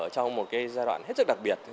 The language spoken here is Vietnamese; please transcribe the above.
trong một giai đoạn hết sức đặc biệt